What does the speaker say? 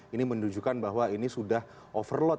ini menunjukkan bahwa ini sudah overload